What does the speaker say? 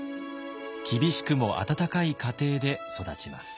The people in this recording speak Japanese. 厳しくも温かい家庭で育ちます。